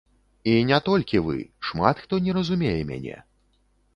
І не толькі вы, шмат хто не разумее мяне.